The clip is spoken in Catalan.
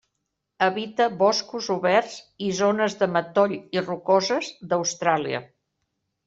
Habita boscos oberts i zones de matoll i rocoses d'Austràlia.